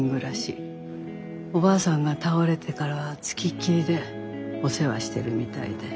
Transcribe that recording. おばあさんが倒れてからは付きっきりでお世話してるみたいで。